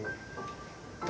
誰？